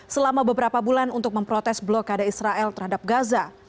selama beberapa bulan untuk memprotes blokade israel terhadap gaza